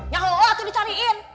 yang lo lo tuh dicariin